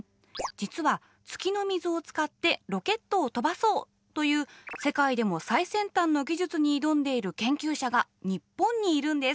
実は月の水を使ってロケットを飛ばそうという世界でも最先端の技術に挑んでいる研究者が日本にいるんです。